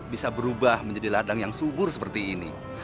bisa berubah menjadi ladang yang subur seperti ini